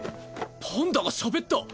パンダがしゃべった！